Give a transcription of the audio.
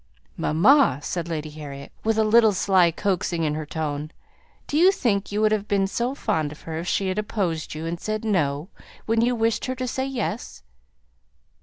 '" "Mamma!" said Lady Harriet, with a little sly coaxing in her tone. "Do you think you would have been so fond of her, if she had opposed you, and said 'No,' when you wished her to say 'Yes?'"